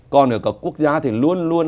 còn ở các quốc gia thì luôn luôn